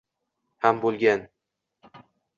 ham bo’lgan…